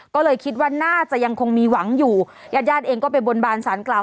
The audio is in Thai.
ก็เลยคิดว่าน่าจะยังคงมีหวังอยู่ญาติญาติเองก็ไปบนบานสารกล่าว